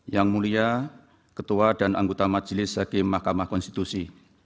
yang mulia ketua dan anggota majelis hakim mahkamah konstitusi